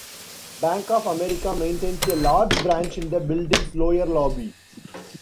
Bank of America maintains a large branch in the building's lower lobby.